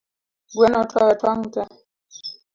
Gweno otoyo tong’ tee